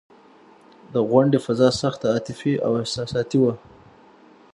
د غونډې فضا سخته عاطفي او احساساتي وه.